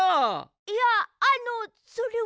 いやあのそれは。